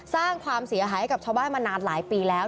สร้างความเสียหายให้กับชาวบ้านมานานหลายปีแล้ว